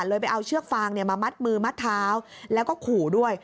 ไปเอาเชือกฟางมามัดมือมัดเท้าแล้วก็ขู่ด้วย